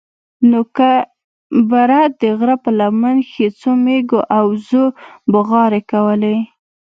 نوكي بره د غره په لمن کښې څو مېږو او وزو بوغارې کولې.